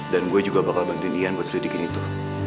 dan gue juga bakal bantuin yan buat selidikin itu